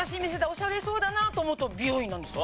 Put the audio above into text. オシャレそうだなと思うと美容院なんですよ。